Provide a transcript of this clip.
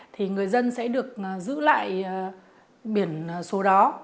thì người dân sẽ được giữ lại biển số đó